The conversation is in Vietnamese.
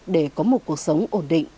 để có một cuộc sống ổn định